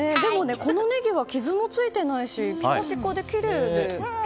このネギは傷もついてないしピカピカできれいで。